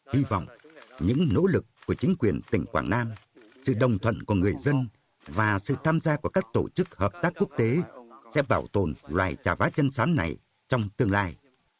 hy vọng những nỗ lực của chính quyền tỉnh quảng nam sự đồng thuận của người dân và sự tham gia của các tổ chức hợp tác quốc tế sẽ bảo tồn loài trà vá chân sám này trong tương lai